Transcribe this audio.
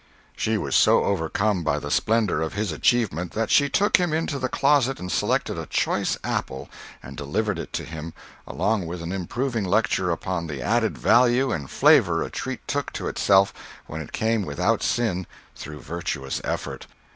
She was so overcome by the splendor of his achievement that she took him into the closet and selected a choice apple and delivered it to him, along with an improving lecture upon the added value and flavor a treat took to itself when it came without sin through virtuous effort.